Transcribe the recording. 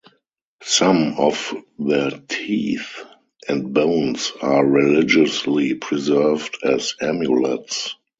Some of their teeth and bones are religiously preserved as amulets.